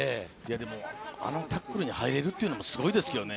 でも、あのタックルに入れるのもすごいですけどね。